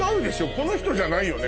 この人じゃないよね？